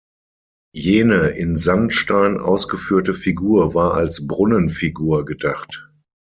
Jene in Sandstein ausgeführte Figur war als Brunnenfigur gedacht.